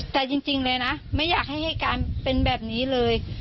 แต่จริงเลยนะไม่อยากให้เหตุการณ์เป็นแบบนี้เลย